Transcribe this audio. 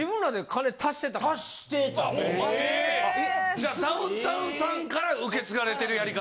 ・じゃあダウンタウンさんから受け継がれてるやり方？